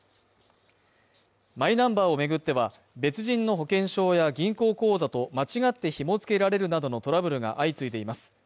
マイナンバーを巡っては、別人の保険証や銀行口座と間違って紐付けられるなどのトラブルが相次いでいます